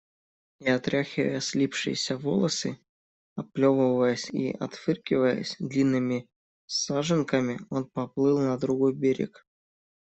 И, отряхивая слипшиеся волосы, отплевываясь и отфыркиваясь, длинными саженками он поплыл на другой берег.